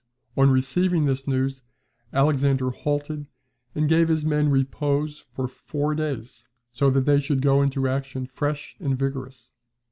On receiving this news, Alexander halted, and gave his men repose for four days, so that they should go into action fresh and vigorous.